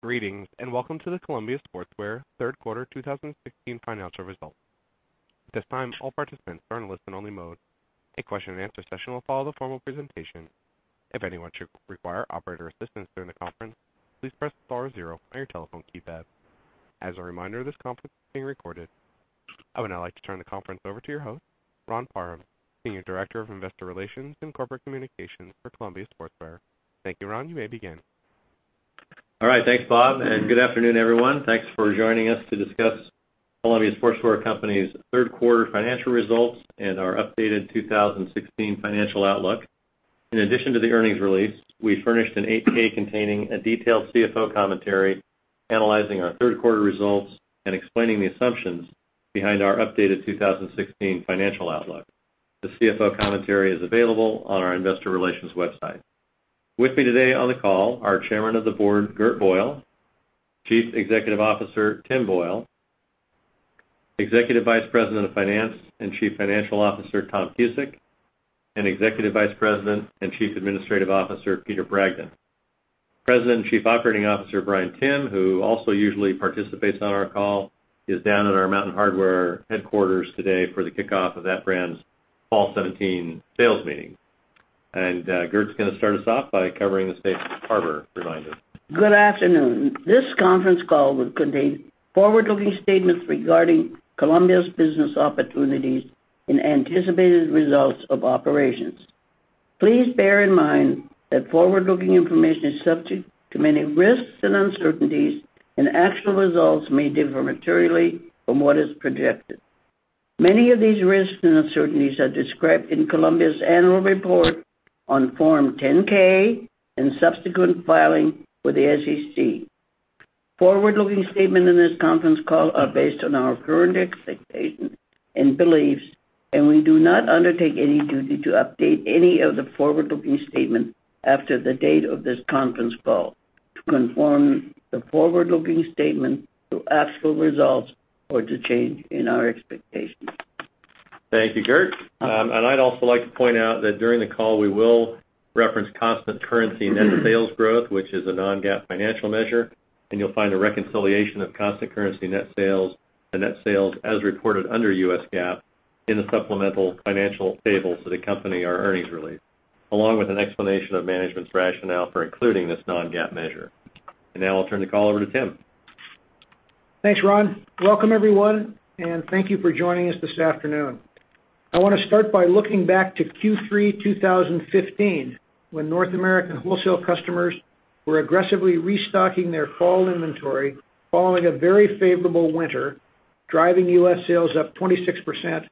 Greetings, welcome to the Columbia Sportswear third quarter 2016 financial results. At this time, all participants are in listen-only mode. A question and answer session will follow the formal presentation. If anyone should require operator assistance during the conference, please press star zero on your telephone keypad. As a reminder, this conference is being recorded. I would now like to turn the conference over to your host, Ron Parham, Senior Director of Investor Relations and Corporate Communications for Columbia Sportswear. Thank you, Ron. You may begin. All right. Thanks, Bob, good afternoon, everyone. Thanks for joining us to discuss Columbia Sportswear Company's third quarter financial results and our updated 2016 financial outlook. In addition to the earnings release, we furnished an 8-K containing a detailed CFO commentary analyzing our third quarter results and explaining the assumptions behind our updated 2016 financial outlook. The CFO commentary is available on our investor relations website. With me today on the call are Chairman of the Board, Gert Boyle; Chief Executive Officer, Tim Boyle; Executive Vice President of Finance and Chief Financial Officer, Tom Cusick; and Executive Vice President and Chief Administrative Officer, Peter Bragdon. President and Chief Operating Officer, Bryan Timm, who also usually participates on our call, is down at our Mountain Hardwear headquarters today for the kickoff of that brand's fall 2017 sales meeting. Gert's going to start us off by covering the safe harbor reminder. Good afternoon. This conference call will contain forward-looking statements regarding Columbia's business opportunities and anticipated results of operations. Please bear in mind that forward-looking information is subject to many risks and uncertainties, actual results may differ materially from what is projected. Many of these risks and uncertainties are described in Columbia's annual report on Form 10-K and subsequent filings with the SEC. Forward-looking statements in this conference call are based on our current expectations and beliefs, we do not undertake any duty to update any of the forward-looking statements after the date of this conference call to confirm the forward-looking statements to actual results or to change in our expectations. Thank you, Gert. I'd also like to point out that during the call, we will reference constant currency net sales growth, which is a non-GAAP financial measure, and you'll find a reconciliation of constant currency net sales to net sales as reported under US GAAP in the supplemental financial tables that accompany our earnings release, along with an explanation of management's rationale for including this non-GAAP measure. Now I'll turn the call over to Tim. Thanks, Ron. Welcome, everyone, and thank you for joining us this afternoon. I want to start by looking back to Q3 2015, when North American wholesale customers were aggressively restocking their fall inventory following a very favorable winter, driving U.S. sales up 26%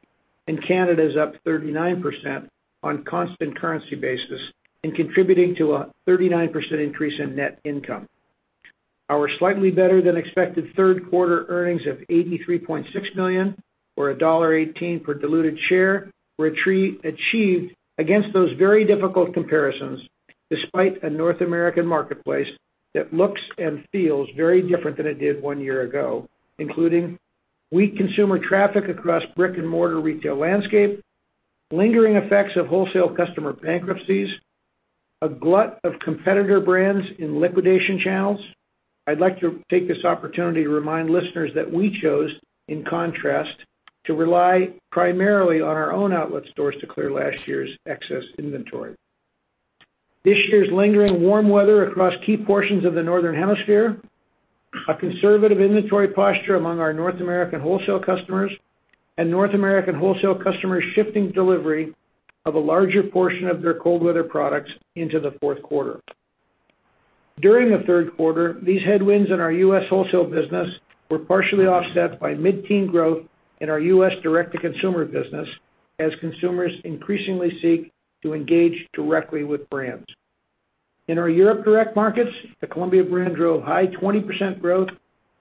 and Canada's up 39% on constant currency basis and contributing to a 39% increase in net income. Our slightly better than expected third quarter earnings of $83.6 million, or $1.18 per diluted share, were achieved against those very difficult comparisons, despite a North American marketplace that looks and feels very different than it did one year ago, including weak consumer traffic across brick and mortar retail landscape, lingering effects of wholesale customer bankruptcies, a glut of competitor brands in liquidation channels. I'd like to take this opportunity to remind listeners that we chose, in contrast, to rely primarily on our own outlet stores to clear last year's excess inventory. This year's lingering warm weather across key portions of the Northern Hemisphere, a conservative inventory posture among our North American wholesale customers, and North American wholesale customers shifting delivery of a larger portion of their cold weather products into the fourth quarter. During the third quarter, these headwinds in our U.S. wholesale business were partially offset by mid-teen growth in our U.S. direct-to-consumer business as consumers increasingly seek to engage directly with brands. In our Europe direct markets, the Columbia brand drove high 20% growth,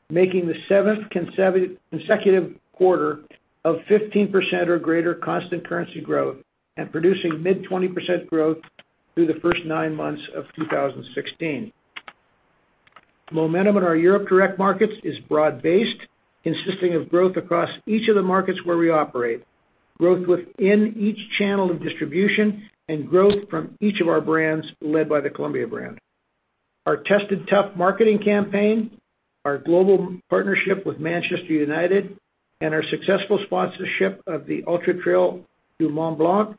making the seventh consecutive quarter of 15% or greater constant currency growth and producing mid 20% growth through the first nine months of 2016. Momentum in our Europe direct markets is broad-based, consisting of growth across each of the markets where we operate, growth within each channel of distribution, and growth from each of our brands, led by the Columbia brand. Our Tested Tough marketing campaign, our global partnership with Manchester United, and our successful sponsorship of the Ultra-Trail du Mont-Blanc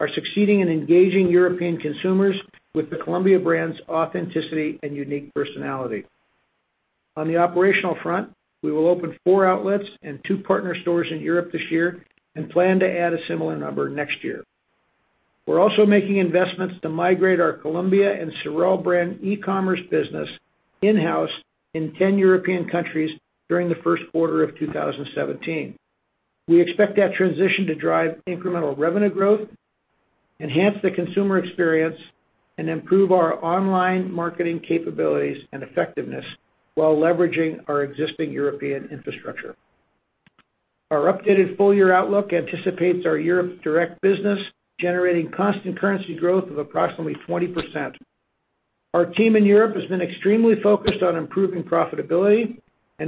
are succeeding in engaging European consumers with the Columbia brand's authenticity and unique personality. On the operational front, we will open four outlets and two partner stores in Europe this year and plan to add a similar number next year. We're also making investments to migrate our Columbia and SOREL brand e-commerce business in-house in 10 European countries during the first quarter of 2017. We expect that transition to drive incremental revenue growth, enhance the consumer experience, and improve our online marketing capabilities and effectiveness while leveraging our existing European infrastructure. Our updated full year outlook anticipates our Europe direct business generating constant currency growth of approximately 20%. Our team in Europe has been extremely focused on improving profitability.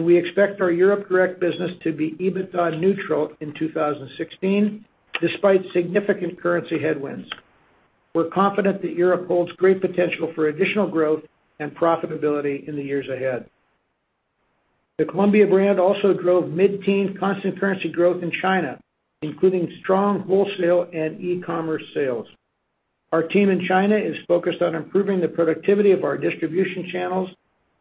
We expect our Europe direct business to be EBITDA neutral in 2016, despite significant currency headwinds. We're confident that Europe holds great potential for additional growth and profitability in the years ahead. The Columbia brand also drove mid-teen constant currency growth in China, including strong wholesale and e-commerce sales. Our team in China is focused on improving the productivity of our distribution channels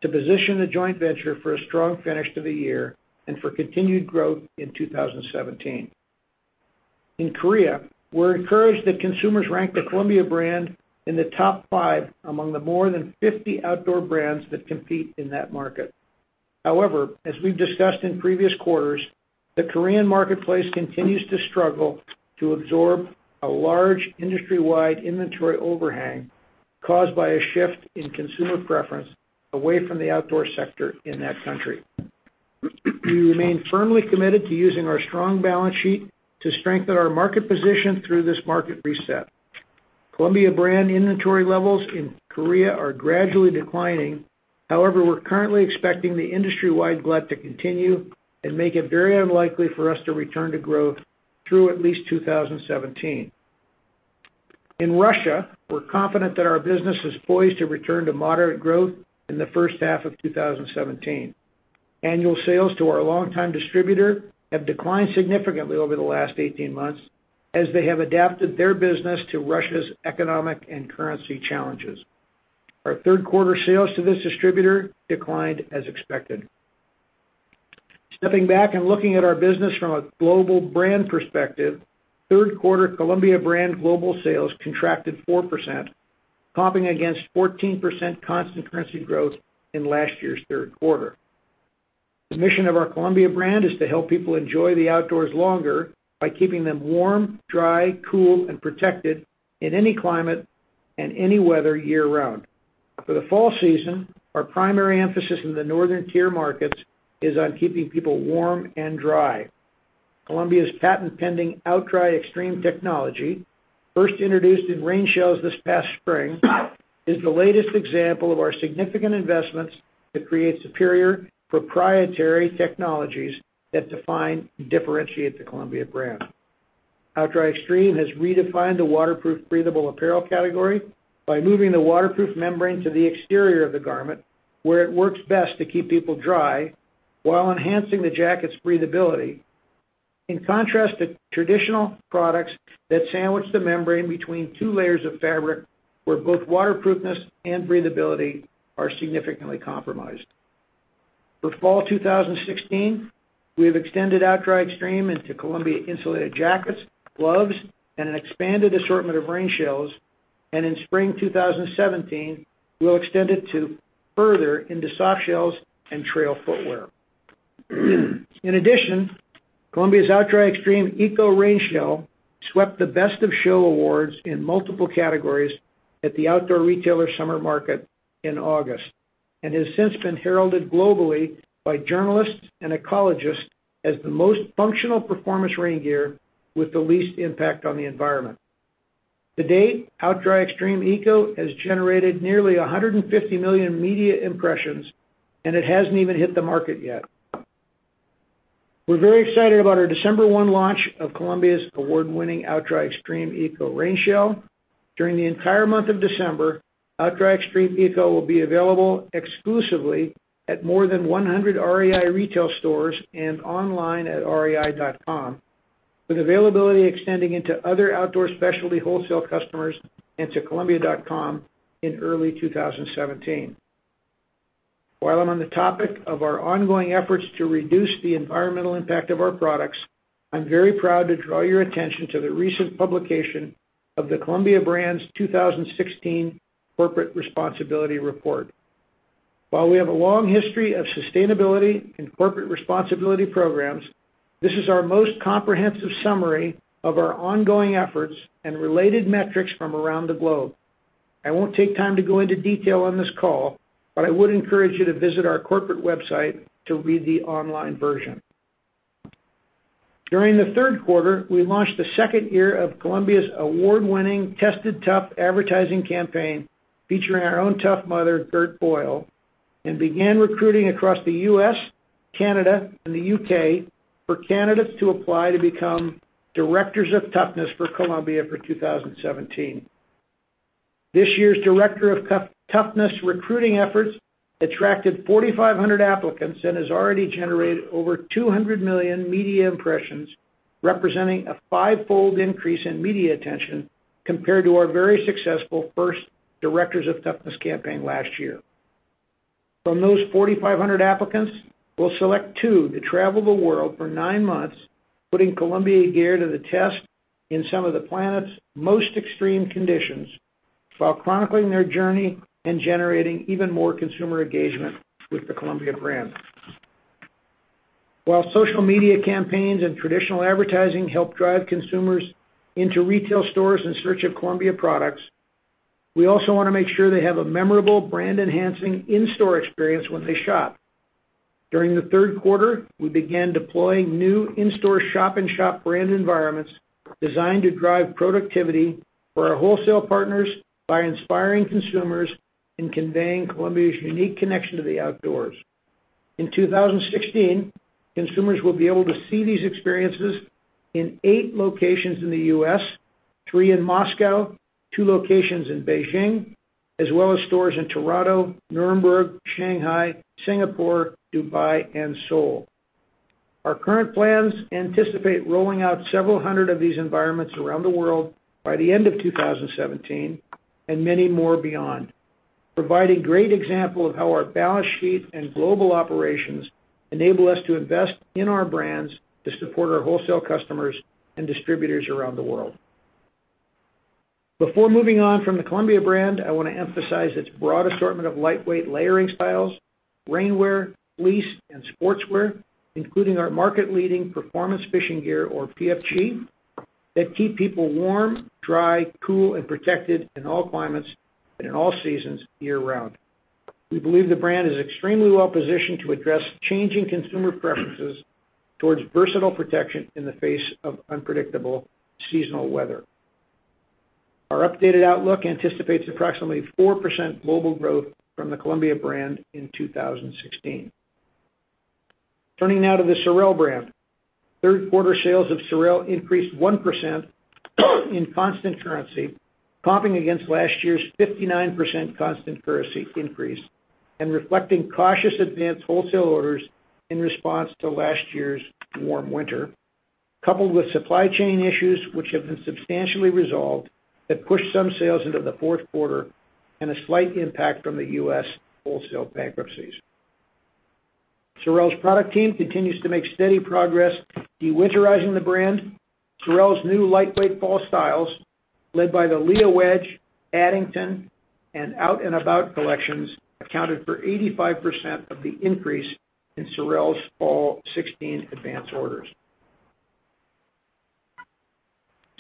to position the joint venture for a strong finish to the year and for continued growth in 2017. In Korea, we're encouraged that consumers rank the Columbia brand in the top 5 among the more than 50 outdoor brands that compete in that market. As we've discussed in previous quarters, the Korean marketplace continues to struggle to absorb a large industry-wide inventory overhang caused by a shift in consumer preference away from the outdoor sector in that country. We remain firmly committed to using our strong balance sheet to strengthen our market position through this market reset. Columbia brand inventory levels in Korea are gradually declining. We're currently expecting the industry-wide glut to continue and make it very unlikely for us to return to growth through at least 2017. In Russia, we're confident that our business is poised to return to moderate growth in the first half of 2017. Annual sales to our longtime distributor have declined significantly over the last 18 months as they have adapted their business to Russia's economic and currency challenges. Our third quarter sales to this distributor declined as expected. Stepping back and looking at our business from a global brand perspective, third quarter Columbia brand global sales contracted 4%, popping against 14% constant currency growth in last year's third quarter. The mission of our Columbia brand is to help people enjoy the outdoors longer by keeping them warm, dry, cool, and protected in any climate and any weather year-round. For the fall season, our primary emphasis in the northern tier markets is on keeping people warm and dry. Columbia's patent-pending OutDry Extreme technology, first introduced in rain shells this past spring, is the latest example of our significant investments to create superior proprietary technologies that define and differentiate the Columbia brand. OutDry Extreme has redefined the waterproof, breathable apparel category by moving the waterproof membrane to the exterior of the garment, where it works best to keep people dry while enhancing the jacket's breathability. In contrast to traditional products that sandwich the membrane between two layers of fabric where both waterproofness and breathability are significantly compromised. For fall 2016, we have extended OutDry Extreme into Columbia insulated jackets, gloves, and an expanded assortment of rain shells. In spring 2017, we'll extend it to further into soft shells and trail footwear. In addition, Columbia's OutDry Extreme ECO rain shell swept the Best of Show awards in multiple categories at the Outdoor Retailer Summer Market in August and has since been heralded globally by journalists and ecologists as the most functional performance rain gear with the least impact on the environment. To date, OutDry Extreme ECO has generated nearly 150 million media impressions. It hasn't even hit the market yet. We're very excited about our December 1 launch of Columbia's award-winning OutDry Extreme ECO rain shell. During the entire month of December, OutDry Extreme ECO will be available exclusively at more than 100 REI retail stores and online at rei.com, with availability extending into other outdoor specialty wholesale customers and to columbia.com in early 2017. While I'm on the topic of our ongoing efforts to reduce the environmental impact of our products, I'm very proud to draw your attention to the recent publication of the Columbia brand's 2016 Corporate Responsibility Report. While we have a long history of sustainability and corporate responsibility programs, this is our most comprehensive summary of our ongoing efforts and related metrics from around the globe. I won't take time to go into detail on this call, but I would encourage you to visit our corporate website to read the online version. During the third quarter, we launched the second year of Columbia's award-winning Tested Tough advertising campaign, featuring our own tough mother, Gert Boyle, and began recruiting across the U.S., Canada, and the U.K. for candidates to apply to become Directors of Toughness for Columbia for 2017. This year's Director of Toughness recruiting efforts attracted 4,500 applicants and has already generated over 200 million media impressions, representing a five-fold increase in media attention compared to our very successful first Directors of Toughness campaign last year. From those 4,500 applicants, we'll select two to travel the world for nine months, putting Columbia gear to the test in some of the planet's most extreme conditions while chronicling their journey and generating even more consumer engagement with the Columbia brand. Social media campaigns and traditional advertising help drive consumers into retail stores in search of Columbia products, we also want to make sure they have a memorable brand-enhancing in-store experience when they shop. During the third quarter, we began deploying new in-store shop-in-shop brand environments designed to drive productivity for our wholesale partners by inspiring consumers and conveying Columbia's unique connection to the outdoors. In 2016, consumers will be able to see these experiences in eight locations in the U.S., three in Moscow, two locations in Beijing, as well as stores in Toronto, Nuremberg, Shanghai, Singapore, Dubai, and Seoul. Our current plans anticipate rolling out several hundred of these environments around the world by the end of 2017 and many more beyond. This provides a great example of how our balance sheet and global operations enable us to invest in our brands to support our wholesale customers and distributors around the world. Before moving on from the Columbia brand, I want to emphasize its broad assortment of lightweight layering styles, rainwear, fleece, and sportswear, including our market-leading Performance Fishing Gear, or PFG, that keep people warm, dry, cool, and protected in all climates and in all seasons year-round. We believe the brand is extremely well-positioned to address changing consumer preferences towards versatile protection in the face of unpredictable seasonal weather. Our updated outlook anticipates approximately 4% global growth from the Columbia brand in 2016. Turning now to the SOREL brand. Third-quarter sales of SOREL increased 1% in constant currency, comping against last year's 59% constant currency increase, and reflecting cautious advanced wholesale orders in response to last year's warm winter. Coupled with supply chain issues, which have been substantially resolved, that pushed some sales into the fourth quarter and a slight impact from the U.S. wholesale bankruptcies. SOREL's product team continues to make steady progress de-winterizing the brand. SOREL's new lightweight fall styles, led by the Lea Wedge, Addington, and Out'N About collections, accounted for 85% of the increase in SOREL's fall 2016 advance orders.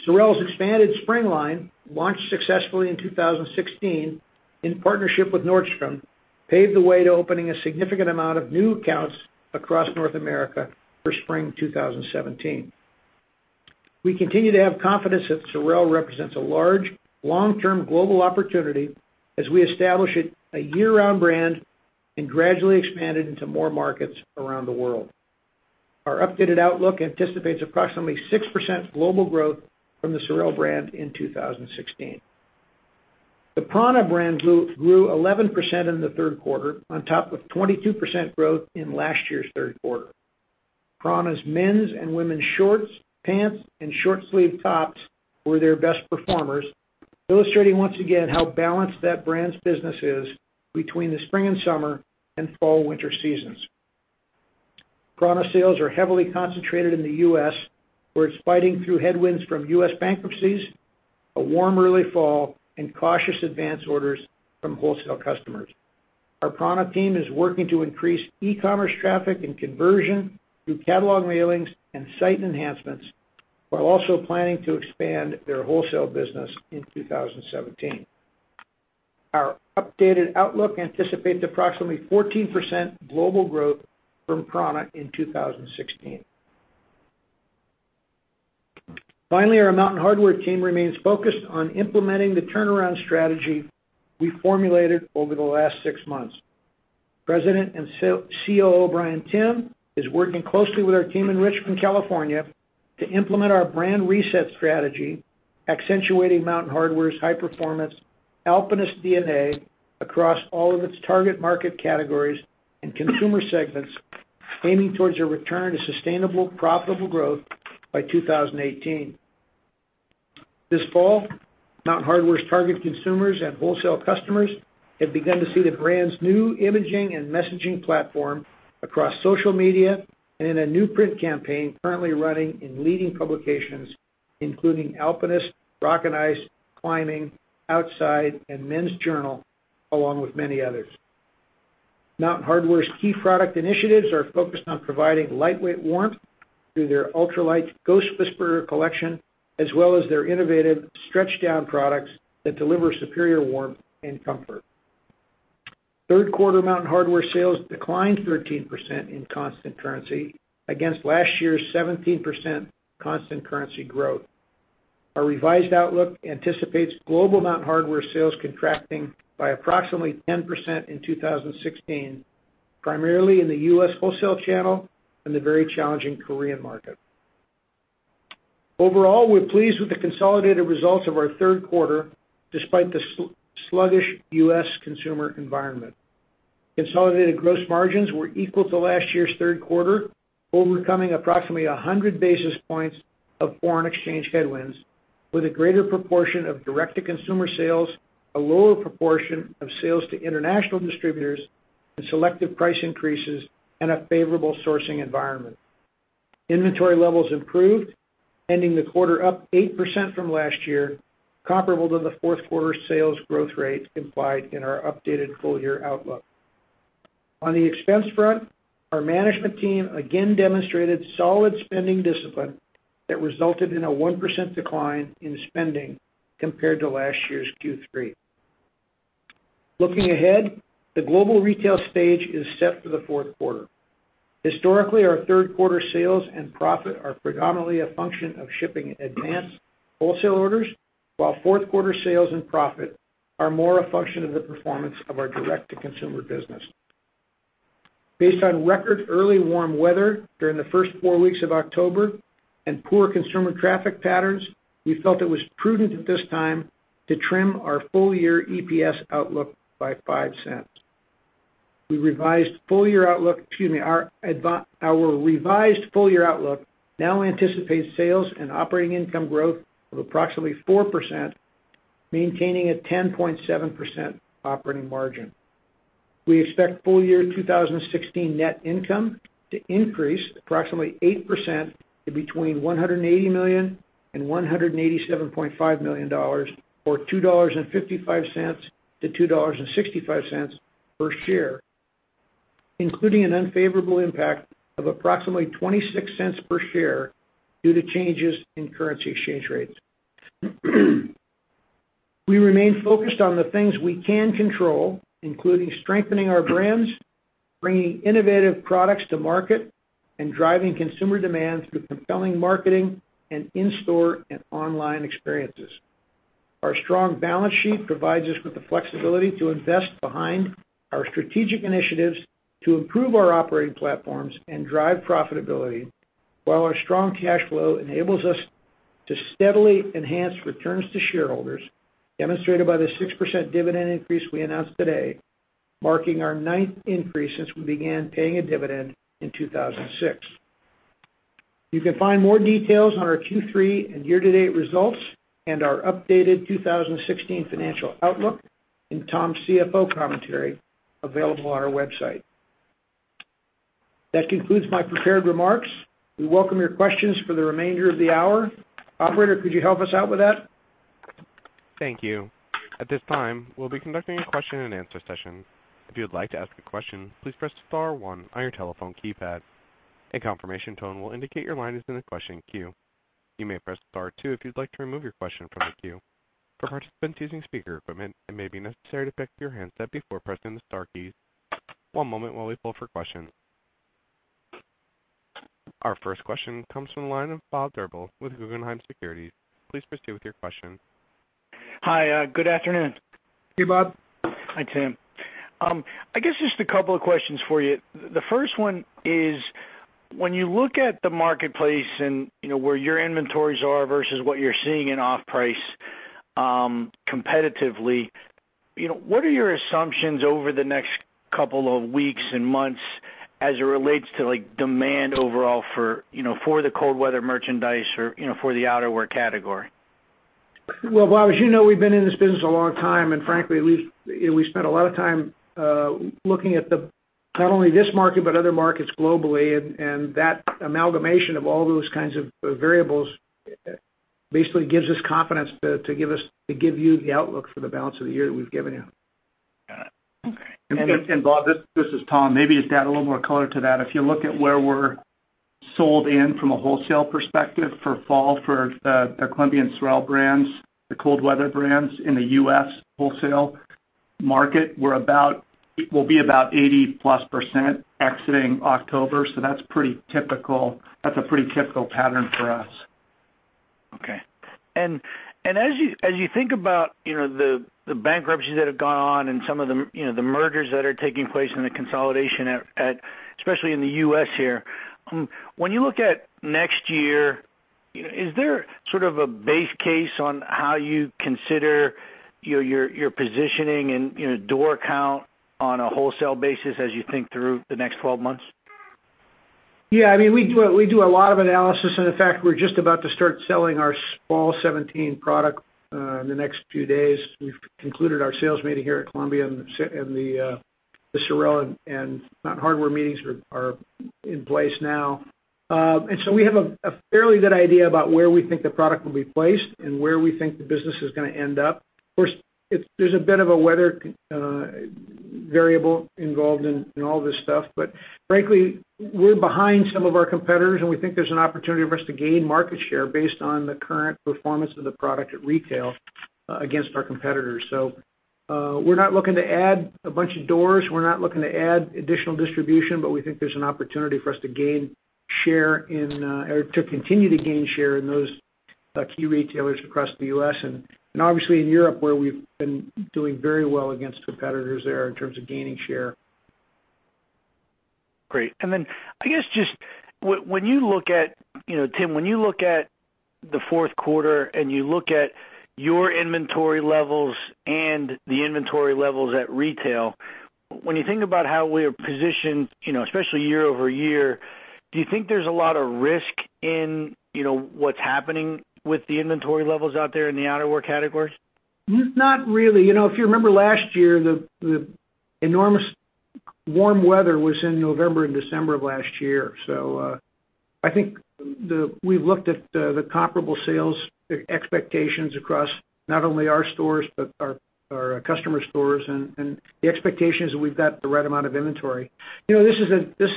SOREL's expanded spring line, launched successfully in 2016 in partnership with Nordstrom, paved the way to opening a significant amount of new accounts across North America for spring 2017. We continue to have confidence that SOREL represents a large, long-term global opportunity as we establish it a year-round brand and gradually expand it into more markets around the world. Our updated outlook anticipates approximately 6% global growth from the SOREL brand in 2016. The prAna brand grew 11% in the third quarter, on top of 22% growth in last year's third quarter. prAna's men's and women's shorts, pants, and short-sleeved tops were their best performers, illustrating once again how balanced that brand's business is between the spring and summer and fall-winter seasons. prAna sales are heavily concentrated in the U.S., where it's fighting through headwinds from U.S. bankruptcies, a warm early fall, and cautious advance orders from wholesale customers. Our prAna team is working to increase e-commerce traffic and conversion through catalog mailings and site enhancements while also planning to expand their wholesale business in 2017. Our updated outlook anticipates approximately 14% global growth from prAna in 2016. Finally, our Mountain Hardwear team remains focused on implementing the turnaround strategy we formulated over the last six months. President and COO Bryan Timm is working closely with our team in Richmond, California, to implement our brand reset strategy, accentuating Mountain Hardwear's high-performance Alpinist DNA across all of its target market categories and consumer segments, aiming towards a return to sustainable, profitable growth by 2018. This fall, Mountain Hardwear's target consumers and wholesale customers have begun to see the brand's new imaging and messaging platform across social media and in a new print campaign currently running in leading publications, including Alpinist, Rock & Ice, Climbing, Outside, and Men's Journal, along with many others. Mountain Hardwear's key product initiatives are focused on providing lightweight warmth through their ultralight Ghost Whisperer collection, as well as their innovative Stretchdown products that deliver superior warmth and comfort. Third quarter Mountain Hardwear sales declined 13% in constant currency against last year's 17% constant currency growth. Our revised outlook anticipates global Mountain Hardwear sales contracting by approximately 10% in 2016, primarily in the U.S. wholesale channel and the very challenging Korean market. Overall, we're pleased with the consolidated results of our third quarter, despite the sluggish U.S. consumer environment. Consolidated gross margins were equal to last year's third quarter, overcoming approximately 100 basis points of foreign exchange headwinds with a greater proportion of direct-to-consumer sales, a lower proportion of sales to international distributors, and selective price increases, and a favorable sourcing environment. Inventory levels improved, ending the quarter up 8% from last year, comparable to the fourth quarter sales growth rate implied in our updated full-year outlook. On the expense front, our management team again demonstrated solid spending discipline that resulted in a 1% decline in spending compared to last year's Q3. Looking ahead, the global retail stage is set for the fourth quarter. Historically, our third quarter sales and profit are predominantly a function of shipping advanced wholesale orders, while fourth quarter sales and profit are more a function of the performance of our direct-to-consumer business. Based on record early warm weather during the first four weeks of October and poor consumer traffic patterns, we felt it was prudent at this time to trim our full year EPS outlook by $0.05. Our revised full-year outlook now anticipates sales and operating income growth of approximately 4%, maintaining a 10.7% operating margin. We expect full year 2016 net income to increase approximately 8% to between $180 million and $187.5 million, or $2.55 to $2.65 per share, including an unfavorable impact of approximately $0.26 per share due to changes in currency exchange rates. We remain focused on the things we can control, including strengthening our brands, bringing innovative products to market, and driving consumer demand through compelling marketing and in-store and online experiences. Our strong balance sheet provides us with the flexibility to invest behind our strategic initiatives to improve our operating platforms and drive profitability, while our strong cash flow enables us to steadily enhance returns to shareholders, demonstrated by the 6% dividend increase we announced today, marking our ninth increase since we began paying a dividend in 2006. You can find more details on our Q3 and year-to-date results and our updated 2016 financial outlook in Tom's CFO commentary available on our website. That concludes my prepared remarks. We welcome your questions for the remainder of the hour. Operator, could you help us out with that? Thank you. At this time, we'll be conducting a question and answer session. If you would like to ask a question, please press star one on your telephone keypad. A confirmation tone will indicate your line is in the question queue. You may press star two if you'd like to remove your question from the queue. For participants using speaker equipment, it may be necessary to pick up your handset before pressing the star keys. One moment while we pull for questions. Our first question comes from the line of Bob Drbul with Guggenheim Securities. Please proceed with your question. Hi. Good afternoon. Hey, Bob. Hi, Tim. I guess just a couple of questions for you. The first one is, when you look at the marketplace and where your inventories are versus what you're seeing in off-price competitively, what are your assumptions over the next couple of weeks and months as it relates to demand overall for the cold weather merchandise or for the outerwear category? Well, Bob, as you know, we've been in this business a long time. Frankly, we've spent a lot of time looking at not only this market, but other markets globally. That amalgamation of all those kinds of variables basically gives us confidence to give you the outlook for the balance of the year that we've given you. Got it. Okay. Bob, this is Tom. Maybe to add a little more color to that. If you look at where we're sold in from a wholesale perspective for fall for the Columbia and SOREL brands, the cold weather brands in the U.S. wholesale market, we'll be about 80+% exiting October. That's a pretty typical pattern for us. Okay. As you think about the bankruptcies that have gone on and some of the mergers that are taking place and the consolidation, especially in the U.S. here, when you look at next year, is there sort of a base case on how you consider your positioning and door count on a wholesale basis as you think through the next 12 months? Yeah, we do a lot of analysis, and in fact, we're just about to start selling our fall 2017 product in the next few days. We've concluded our sales meeting here at Columbia, and the SOREL and Mountain Hardwear meetings are in place now. We have a fairly good idea about where we think the product will be placed and where we think the business is going to end up. Of course, there's a bit of a weather variable involved in all this stuff. Frankly, we're behind some of our competitors, and we think there's an opportunity for us to gain market share based on the current performance of the product at retail against our competitors. We're not looking to add a bunch of doors. We're not looking to add additional distribution, we think there's an opportunity for us to continue to gain share in those key retailers across the U.S. and obviously in Europe, where we've been doing very well against competitors there in terms of gaining share. Great. I guess, Tim, when you look at the fourth quarter and you look at your inventory levels and the inventory levels at retail, when you think about how we are positioned, especially year-over-year, do you think there's a lot of risk in what's happening with the inventory levels out there in the outerwear categories? Not really. If you remember last year, the enormous warm weather was in November and December of last year. I think we've looked at the comparable sales expectations across not only our stores but our customer stores, and the expectation is that we've got the right amount of inventory. This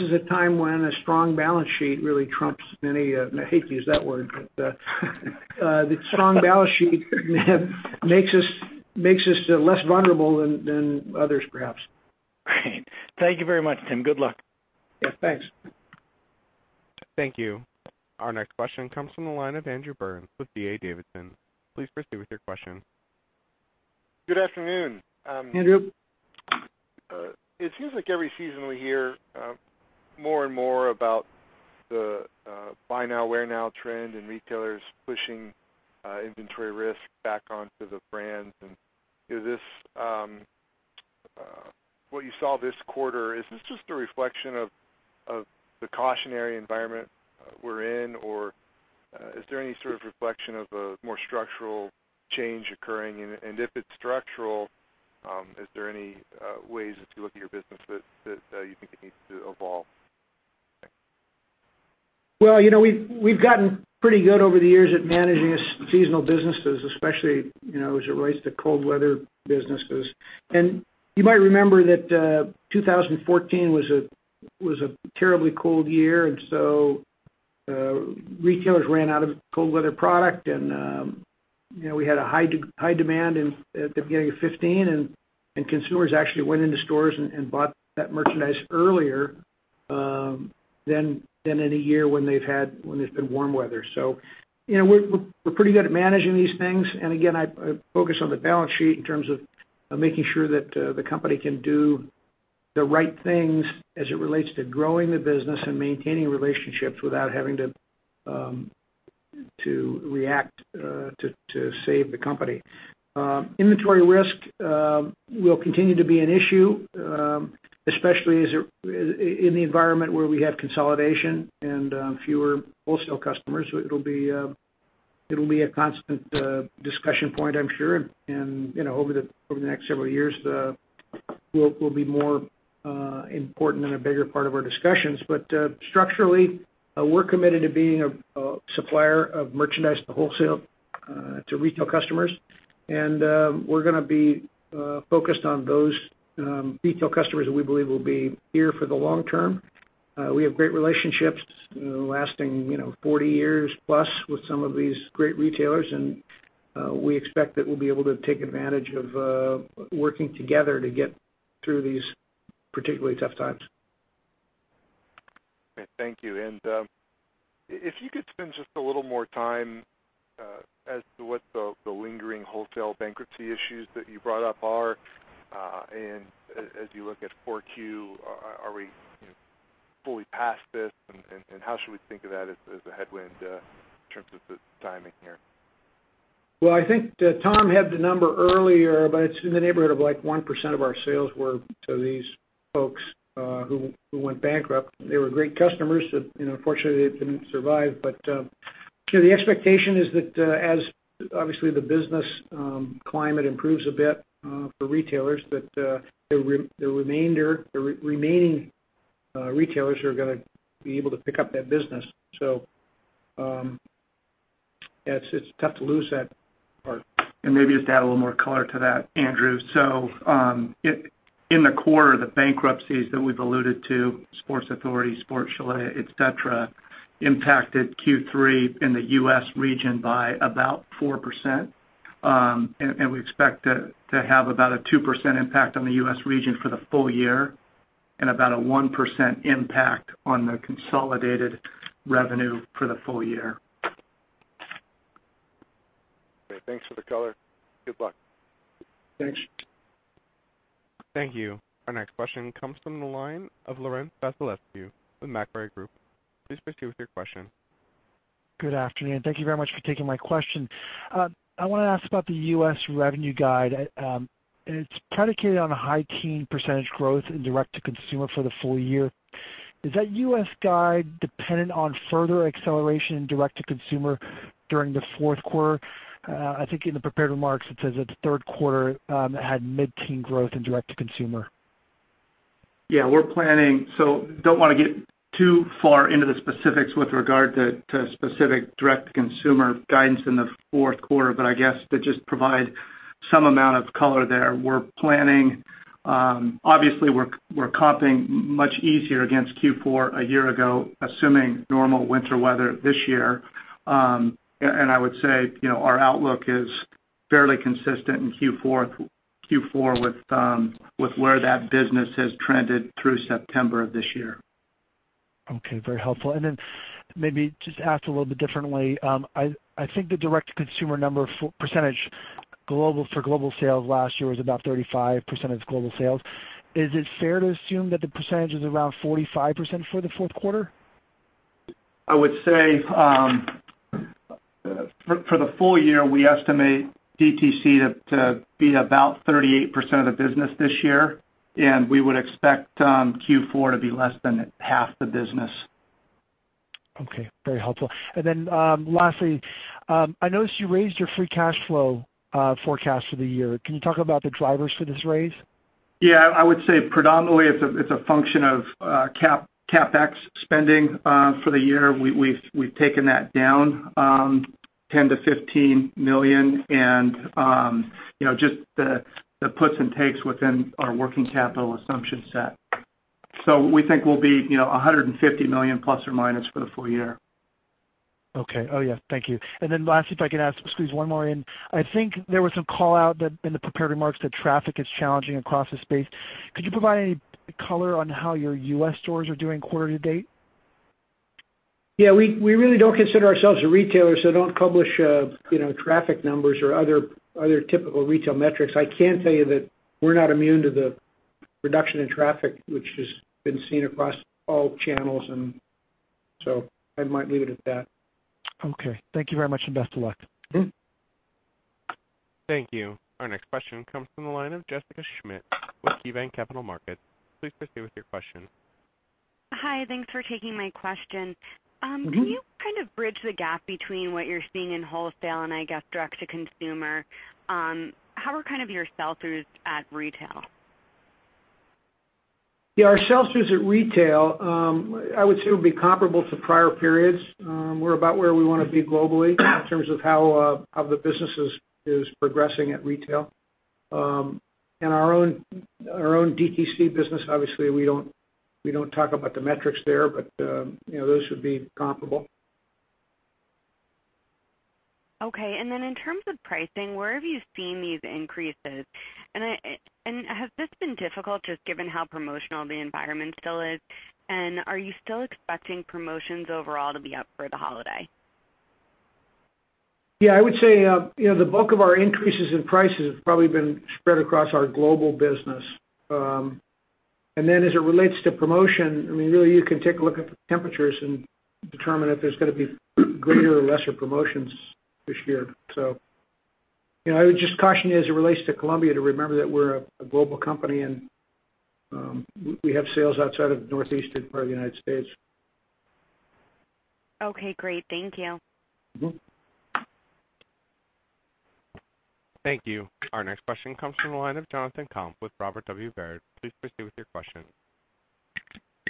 is a time when a strong balance sheet really trumps I hate to use that word, but the strong balance sheet makes us less vulnerable than others, perhaps. Great. Thank you very much, Tim. Good luck. Yeah, thanks. Thank you. Our next question comes from the line of Andrew Burns with D.A. Davidson. Please proceed with your question. Good afternoon. Andrew. It seems like every season we hear more and more about the buy now, wear now trend in retailers pushing inventory risk back onto the brands. What you saw this quarter, is this just a reflection of the cautionary environment we're in? Is there any sort of reflection of a more structural change occurring? If it's structural, is there any ways as you look at your business that you think it needs to evolve? Well, we've gotten pretty good over the years at managing seasonal businesses, especially, as it relates to cold weather businesses. You might remember that 2014 was a terribly cold year, retailers ran out of cold weather product, we had a high demand at the beginning of 2015, consumers actually went into stores and bought that merchandise earlier than in a year when there's been warm weather. We're pretty good at managing these things. Again, I focus on the balance sheet in terms of making sure that the company can do the right things as it relates to growing the business and maintaining relationships without having to react to save the company. Inventory risk will continue to be an issue, especially in the environment where we have consolidation and fewer wholesale customers. It'll be a constant discussion point, I'm sure. Over the next several years, will be more important and a bigger part of our discussions. Structurally, we're committed to being a supplier of merchandise to wholesale to retail customers, and we're going to be focused on those retail customers that we believe will be here for the long term. We have great relationships lasting 40 years plus with some of these great retailers, and we expect that we'll be able to take advantage of working together to get through these particularly tough times. Okay, thank you. If you could spend just a little more time as to what the lingering wholesale bankruptcy issues that you brought up are. As you look at 4Q, are we fully past this? How should we think of that as a headwind in terms of the timing here? Well, I think Tom had the number earlier, but it's in the neighborhood of like 1% of our sales were to these folks who went bankrupt. They were great customers that, unfortunately, they didn't survive. The expectation is that as obviously the business climate improves a bit for retailers, that the remaining retailers are gonna be able to pick up that business. It's tough to lose that part. Maybe just to add a little more color to that, Andrew. In the core of the bankruptcies that we've alluded to, Sports Authority, Sport Chalet, et cetera, impacted Q3 in the U.S. region by about 4%. We expect to have about a 2% impact on the U.S. region for the full year and about a 1% impact on the consolidated revenue for the full year. Okay, thanks for the color. Good luck. Thanks. Thank you. Our next question comes from the line of Laurent Vasilescu with Macquarie Group. Please proceed with your question. Good afternoon. Thank you very much for taking my question. I want to ask about the U.S. revenue guide. It's predicated on a high teen % growth in direct-to-consumer for the full year. Is that U.S. guide dependent on further acceleration in direct-to-consumer during the fourth quarter? I think in the prepared remarks, it says that the third quarter had mid-teen growth in direct-to-consumer. Yeah, we're planning. Don't want to get too far into the specifics with regard to specific direct-to-consumer guidance in the fourth quarter. I guess to just provide some amount of color there, obviously, we're comping much easier against Q4 a year ago, assuming normal winter weather this year. I would say, our outlook is fairly consistent in Q4 with where that business has trended through September of this year. Okay. Very helpful. Maybe just asked a little bit differently. I think the direct-to-consumer number for percentage for global sales last year was about 35% of global sales. Is it fair to assume that the percentage is around 45% for the fourth quarter? I would say for the full year, we estimate DTC to be about 38% of the business this year, and we would expect Q4 to be less than half the business. Okay. Very helpful. Lastly, I noticed you raised your free cash flow forecast for the year. Can you talk about the drivers for this raise? Yeah, I would say predominantly it's a function of CapEx spending for the year. We've taken that down $10 million-$15 million and just the puts and takes within our working capital assumption set. We think we'll be $150 million ± for the full year. Okay. Oh, yeah. Thank you. Lastly, if I could squeeze one more in. I think there was some call-out in the prepared remarks that traffic is challenging across the space. Could you provide any color on how your U.S. stores are doing quarter-to-date? Yeah, we really don't consider ourselves a retailer, so don't publish traffic numbers or other typical retail metrics. I can tell you that we're not immune to the reduction in traffic, which has been seen across all channels. I might leave it at that. Okay. Thank you very much, and best of luck. Thank you. Our next question comes from the line of Jessica Schmidt with KeyBanc Capital Markets. Please proceed with your question. Hi. Thanks for taking my question. Can you kind of bridge the gap between what you're seeing in wholesale and, I guess, direct-to-consumer? How are kind of your sell-throughs at retail? Yeah, our sell-throughs at retail, I would say, would be comparable to prior periods. We're about where we want to be globally in terms of how the business is progressing at retail. In our own DTC business, obviously, we don't talk about the metrics there, but those would be comparable. Okay. Then in terms of pricing, where have you seen these increases? Has this been difficult, just given how promotional the environment still is? Are you still expecting promotions overall to be up for the holiday? I would say the bulk of our increases in prices have probably been spread across our global business. As it relates to promotion, really, you can take a look at the temperatures and determine if there's going to be greater or lesser promotions this year. I would just caution you as it relates to Columbia, to remember that we're a global company and we have sales outside of the northeastern part of the United States. Okay, great. Thank you. Thank you. Our next question comes from the line of Jonathan Komp with Robert W. Baird. Please proceed with your question.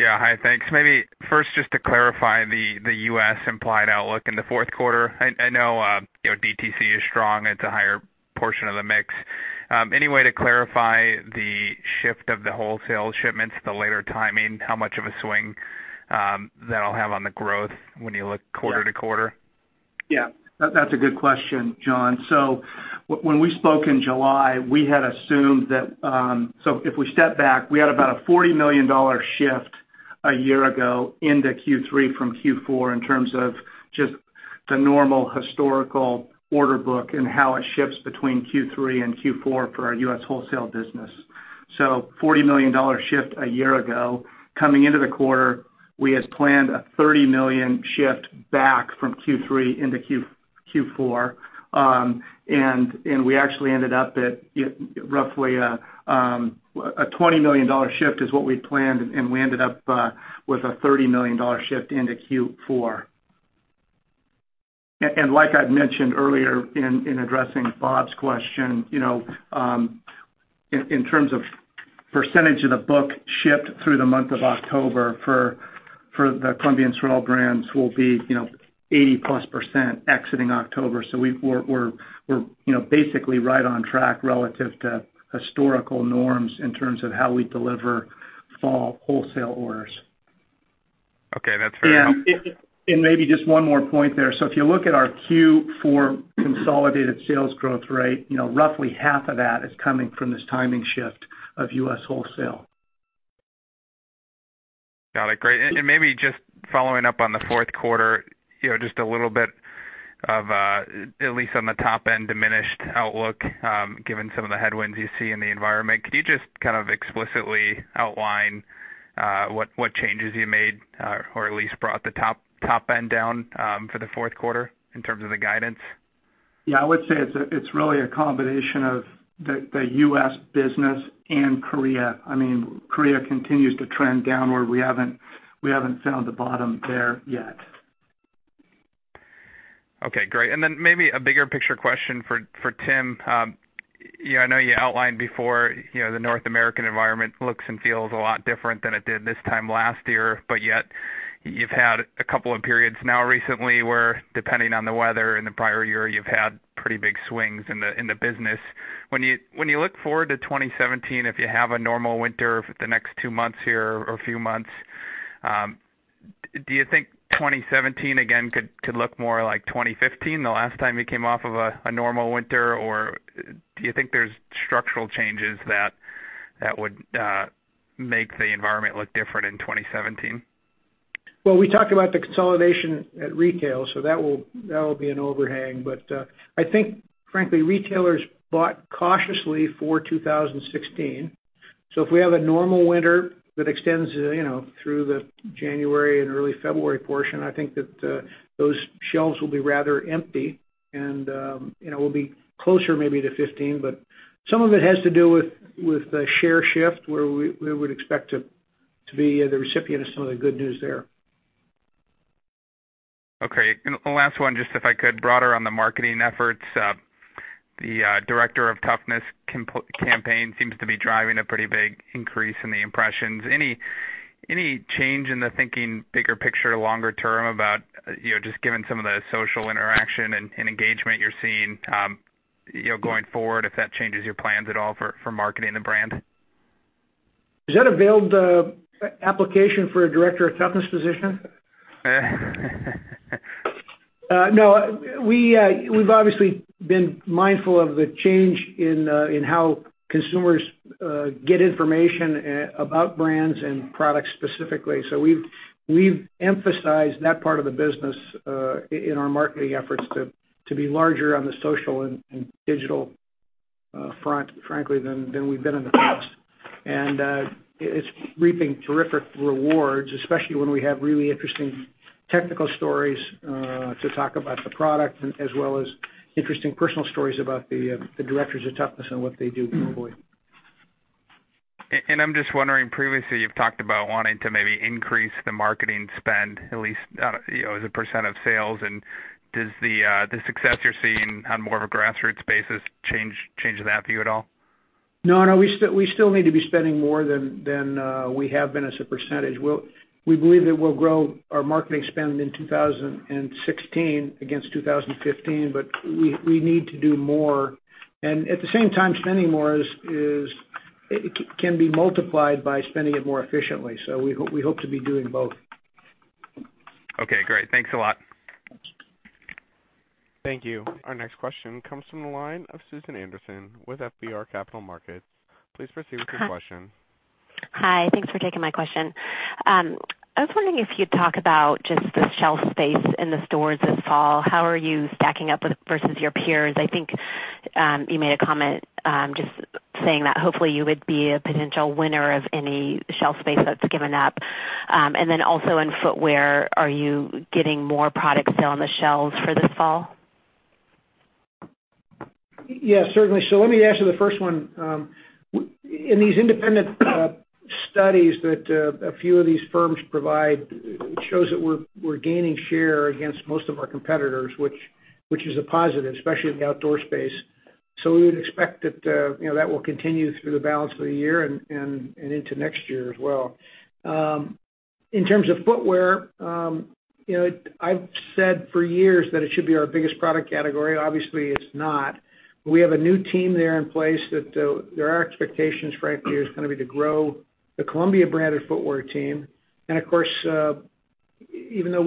Hi, thanks. Maybe first, just to clarify the U.S. implied outlook in the fourth quarter. I know DTC is strong. It's a higher portion of the mix. Any way to clarify the shift of the wholesale shipments, the later timing, how much of a swing that'll have on the growth when you look quarter-to-quarter? That's a good question, Jon. When we spoke in July, we had assumed that if we step back, we had about a $40 million shift a year ago into Q3 from Q4 in terms of just the normal historical order book and how it shifts between Q3 and Q4 for our U.S. wholesale business. $40 million shift a year ago. Coming into the quarter, we had planned a $30 million shift back from Q3 into Q4. We actually ended up at roughly a $20 million shift is what we'd planned, and we ended up with a $30 million shift into Q4. Like I'd mentioned earlier in addressing Bob's question, in terms of percentage of the book shipped through the month of October for the Columbia and SOREL brands will be 80-plus% exiting October. We're basically right on track relative to historical norms in terms of how we deliver fall wholesale orders. Okay, that's fair. Maybe just one more point there. If you look at our Q4 consolidated sales growth rate, roughly half of that is coming from this timing shift of U.S. wholesale. Got it. Great. Maybe just following up on the fourth quarter, just a little bit of, at least on the top-end diminished outlook, given some of the headwinds you see in the environment, could you just kind of explicitly outline what changes you made or at least brought the top end down for the fourth quarter in terms of the guidance? Yeah, I would say it's really a combination of the US business and Korea. Korea continues to trend downward. We haven't found the bottom there yet. Okay, great. Maybe a bigger picture question for Tim. I know you outlined before, the North American environment looks and feels a lot different than it did this time last year, but yet you've had a couple of periods now recently where, depending on the weather in the prior year, you've had pretty big swings in the business. When you look forward to 2017, if you have a normal winter for the next two months here or a few months, do you think 2017 again could look more like 2015, the last time you came off of a normal winter? Do you think there's structural changes that would make the environment look different in 2017? Well, we talked about the consolidation at retail, that will be an overhang. I think frankly, retailers bought cautiously for 2016. If we have a normal winter that extends through the January and early February portion, I think that those shelves will be rather empty and we'll be closer maybe to '15. Some of it has to do with the share shift, where we would expect to be the recipient of some of the good news there. Okay. The last one, just if I could, broader on the marketing efforts. The Directors of Toughness campaign seems to be driving a pretty big increase in the impressions. Any change in the thinking bigger picture, longer term about just given some of the social interaction and engagement you're seeing going forward, if that changes your plans at all for marketing the brand? Is that a veiled application for a Directors of Toughness position? No. We've obviously been mindful of the change in how consumers get information about brands and products specifically. We've emphasized that part of the business in our marketing efforts to be larger on the social and digital front, frankly, than we've been in the past. It's reaping terrific rewards, especially when we have really interesting technical stories to talk about the product, as well as interesting personal stories about the Directors of Toughness and what they do globally. I'm just wondering, previously, you've talked about wanting to maybe increase the marketing spend, at least as a % of sales. Does the success you're seeing on more of a grassroots basis change that for you at all? No, we still need to be spending more than we have been as a %. We believe that we'll grow our marketing spend in 2016 against 2015, but we need to do more. At the same time, spending more can be multiplied by spending it more efficiently. We hope to be doing both. Okay, great. Thanks a lot. Thank you. Our next question comes from the line of Susan Anderson with FBR & Co.. Please proceed with your question. Hi. Thanks for taking my question. I was wondering if you'd talk about just the shelf space in the stores this fall. How are you stacking up versus your peers? I think you made a comment just saying that hopefully you would be a potential winner of any shelf space that's given up. Then also in footwear, are you getting more product fill on the shelves for this fall? Yes, certainly. Let me answer the first one. In these independent studies that a few of these firms provide, it shows that we're gaining share against most of our competitors, which is a positive, especially in the outdoor space. We would expect that will continue through the balance of the year and into next year as well. In terms of footwear, I've said for years that it should be our biggest product category. Obviously, it's not. We have a new team there in place that their expectations, frankly, is going to be to grow the Columbia branded footwear team. Of course, even though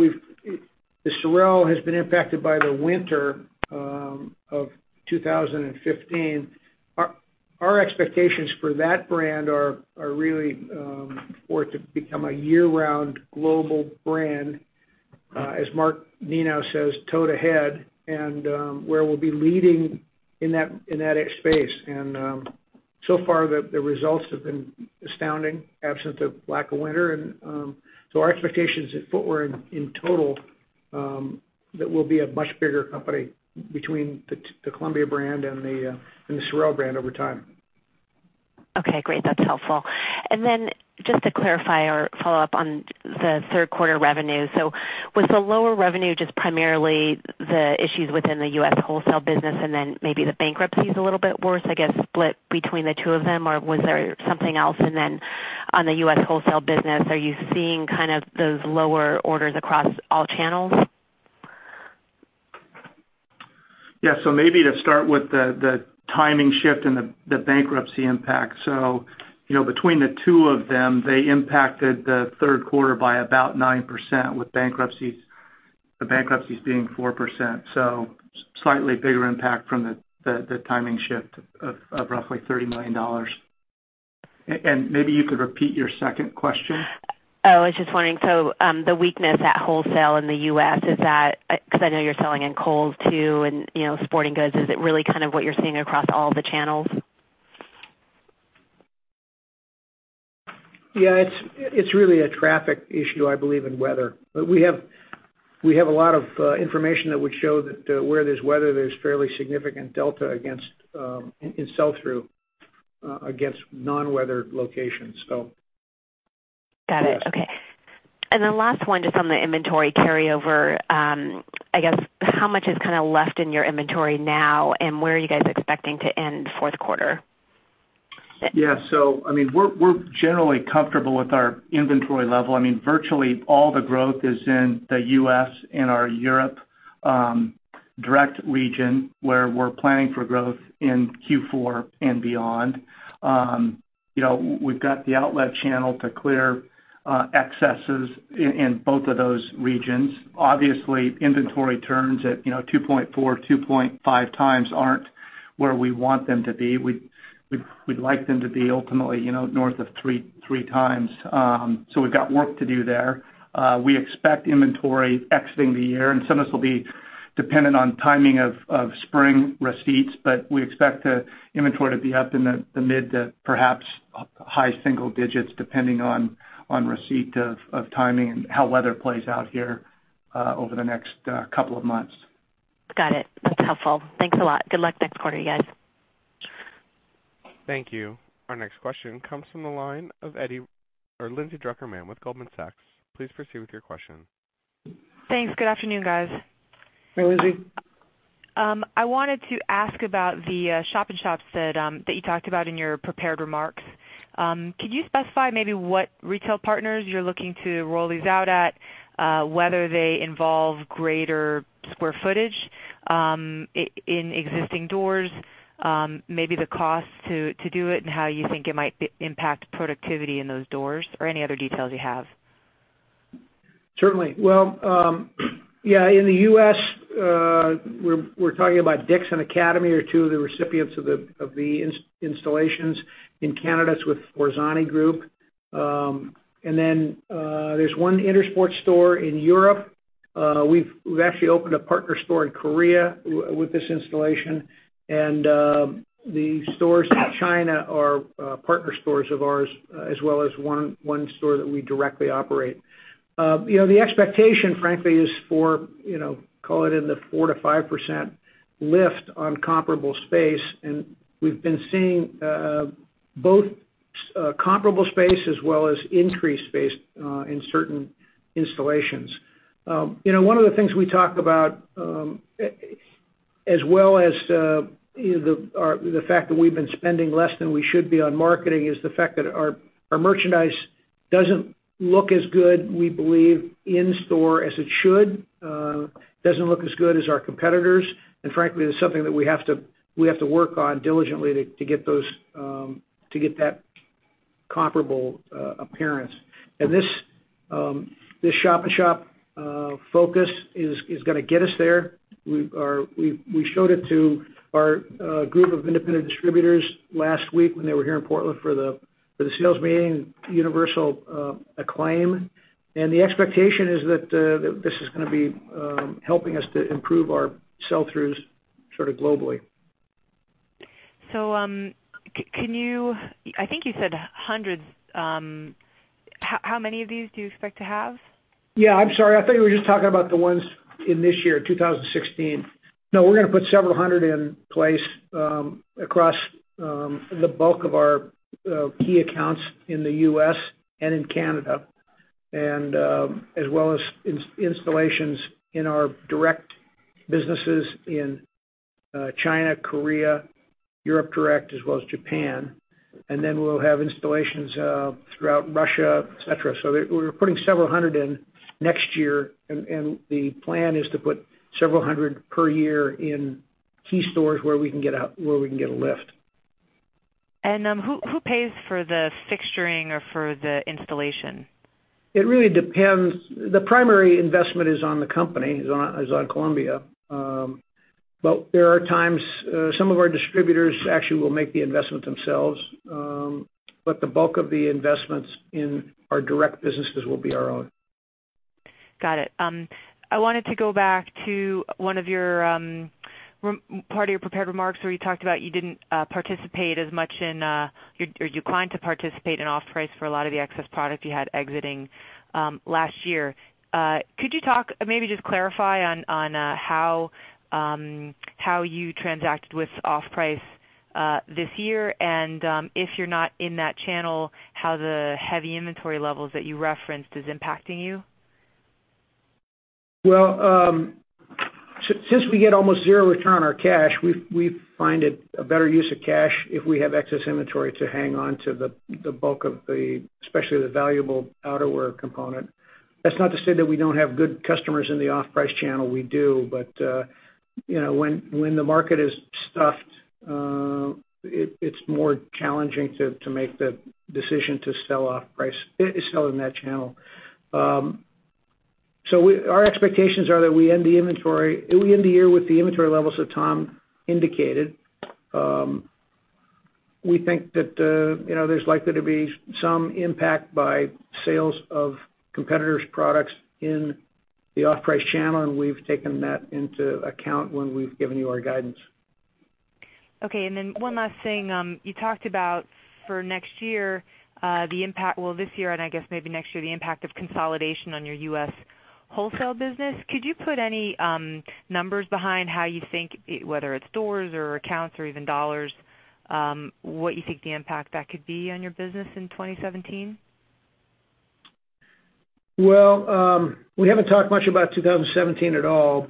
the SOREL has been impacted by the winter of 2015, our expectations for that brand are really for it to become a year-round global brand, as Mark Nenow says, "Toe to head," and where we'll be leading in that space. So far, the results have been astounding, absent the lack of winter. Our expectation is that footwear, in total, that we'll be a much bigger company between the Columbia brand and the SOREL brand over time. Okay, great. That's helpful. Just to clarify or follow up on the third quarter revenue. Was the lower revenue just primarily the issues within the U.S. wholesale business and then maybe the bankruptcies a little bit worse, I guess, split between the two of them, or was there something else? On the U.S. wholesale business, are you seeing those lower orders across all channels? Yeah. Maybe to start with the timing shift and the bankruptcy impact. Between the two of them, they impacted the third quarter by about 9%, with the bankruptcies being 4%. Slightly bigger impact from the timing shift of roughly $30 million. Maybe you could repeat your second question? Oh, I was just wondering, the weakness at wholesale in the U.S., because I know you're selling in Kohl's too and sporting goods, is it really what you're seeing across all the channels? It's really a traffic issue, I believe, and weather. We have a lot of information that would show that where there's weather, there's fairly significant delta in sell-through against non-weather locations. Yes. Got it. Okay. Last one, just on the inventory carryover. I guess, how much is left in your inventory now, and where are you guys expecting to end fourth quarter? We're generally comfortable with our inventory level. Virtually all the growth is in the U.S. and our Europe direct region, where we're planning for growth in Q4 and beyond. We've got the outlet channel to clear excesses in both of those regions. Obviously, inventory turns at 2.4, 2.5 times aren't where we want them to be. We'd like them to be ultimately north of three times. We've got work to do there. We expect inventory exiting the year, and some of this will be dependent on timing of spring receipts, we expect the inventory to be up in the mid to perhaps high single digits, depending on receipt of timing and how weather plays out here over the next couple of months. Got it. That's helpful. Thanks a lot. Good luck next quarter, guys. Thank you. Our next question comes from the line of Lindsay Drucker Mann with Goldman Sachs. Please proceed with your question. Thanks. Good afternoon, guys. Hey, Lindsay. I wanted to ask about the shop in shops that you talked about in your prepared remarks. Could you specify maybe what retail partners you're looking to roll these out at, whether they involve greater square footage in existing doors? Maybe the cost to do it and how you think it might impact productivity in those doors or any other details you have. Certainly. In the U.S., we're talking about DICK'S and Academy are two of the recipients of the installations. In Canada, it's with Forzani Group. There's one INTERSPORT store in Europe. We've actually opened a partner store in Korea with this installation. The stores in China are partner stores of ours, as well as one store that we directly operate. The expectation, frankly, is for call it in the 4%-5% lift on comparable space, and we've been seeing both comparable space as well as increased space in certain installations. One of the things we talk about, as well as the fact that we've been spending less than we should be on marketing, is the fact that our merchandise doesn't look as good, we believe, in store as it should. It doesn't look as good as our competitors, and frankly, it's something that we have to work on diligently to get that comparable appearance. This shop-in-shop focus is going to get us there. We showed it to our group of independent distributors last week when they were here in Portland for the sales meeting, universal acclaim. The expectation is that this is going to be helping us to improve our sell-throughs sort of globally. Can you, I think you said hundreds. How many of these do you expect to have? I'm sorry. I thought you were just talking about the ones in this year, 2016. We're going to put several hundred in place across the bulk of our key accounts in the U.S. and in Canada, as well as installations in our direct businesses in China, Korea, Europe direct, as well as Japan. We'll have installations throughout Russia, et cetera. We're putting several hundred in next year, and the plan is to put several hundred per year in key stores where we can get a lift. Who pays for the fixturing or for the installation? It really depends. The primary investment is on the company, is on Columbia. There are times some of our distributors actually will make the investment themselves. The bulk of the investments in our direct businesses will be our own. Got it. I wanted to go back to part of your prepared remarks, where you talked about you didn't participate as much or you declined to participate in off-price for a lot of the excess product you had exiting last year. Could you talk, maybe just clarify on how you transacted with off-price this year and, if you're not in that channel, how the heavy inventory levels that you referenced is impacting you? Well, since we get almost zero return on our cash, we find it a better use of cash if we have excess inventory to hang on to the bulk of especially the valuable outerwear component. That's not to say that we don't have good customers in the off-price channel, we do. When the market is stuffed, it's more challenging to make the decision to sell off-price, sell in that channel. Our expectations are that we end the year with the inventory levels that Tom indicated. We think that there's likely to be some impact by sales of competitors' products in the off-price channel, and we've taken that into account when we've given you our guidance. Okay, one last thing. You talked about for next year, this year, and I guess maybe next year, the impact of consolidation on your U.S. wholesale business. Could you put any numbers behind how you think, whether it's stores or accounts or even dollars, what you think the impact that could be on your business in 2017? Well, we haven't talked much about 2017 at all,